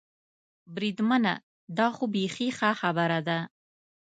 بریدمنه، دا خو بېخي ښه خبره ده.